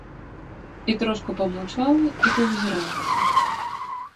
— І трошку памаўчала і паўзіралася.